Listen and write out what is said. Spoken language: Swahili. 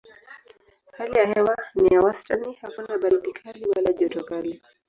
Hali ya hewa ni ya wastani: hakuna baridi kali wala joto kali.